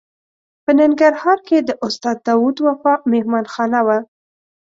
په ننګرهار کې د استاد داود وفا مهمانه خانه وه.